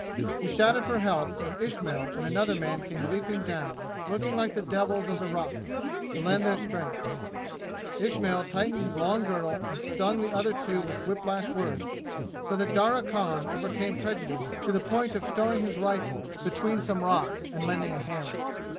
He shouted for help, and Ismail and another man came leaping down, looking like the devils of the rocks, to lend their strength. Ismail tightened his long girdle and stung the other two with whiplash words, so that Darya Khan overcame prejudice to the point of stowing his rifle between some rocks and lending a hand.